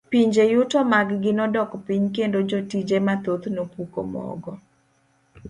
Pinje yuto margi nodok piny kendo jotije mathoth nopuko mogo.